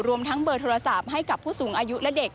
รวมทั้งเบอร์โทรศัพท์ให้กับผู้สูงอายุและเด็ก